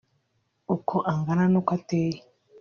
uko angana n’uko ateye